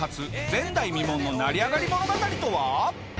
前代未聞の成り上がり物語とは？